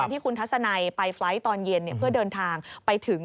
ที่คุณทัศนัยไปไฟล์ทตอนเย็นเพื่อเดินทางไปถึง